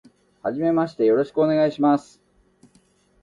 はじめまして、よろしくお願いします。